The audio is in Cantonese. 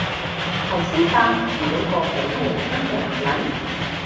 頭先搭遇到個好乞人憎嘅男人